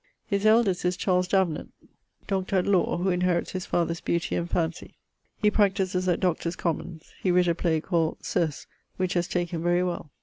His eldest is Charles Davenant, LL.Dr., who inherits his father's beauty and phancy. He practises at Doctors Commons. He writt a play called Circe, which haz taken very well.